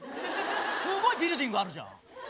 すごいビルディングあるじゃん。